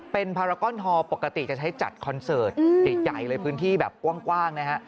เป็นพารากอนฮอลปกติจะใช้จัดคอนเสิร์ตใหญ่เลยพื้นที่แบบกว้างนะฮะ